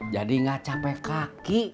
jadi enggak capek kaki